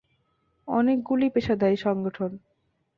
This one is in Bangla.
অনেকগুলিই পেশাদারী সংগঠন।